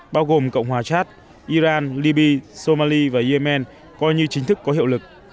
bao gồm cộng hòa chad iran libya somalia và yemen coi như chính thức có hiệu lực